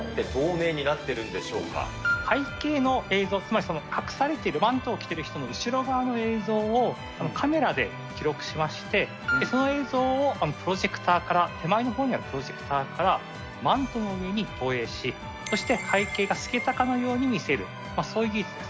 どうな先生、これ、どうやって透明背景の映像、つまり隠されてるマントを着てる人の後ろ側の映像をカメラで記録しまして、その映像をプロジェクターから手前のほうにあるプロジェクターから、マントの上に投影し、そして背景が透けたかのように見せる、そういう技術。